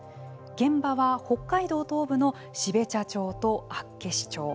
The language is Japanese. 現場は、北海道東部の標茶町と厚岸町。